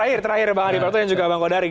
oke terakhir bang adi pratun yang juga bang kodari